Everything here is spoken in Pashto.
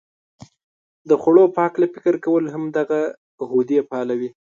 د خوړو په هلکه فکر کول هم دغه غدې فعالوي.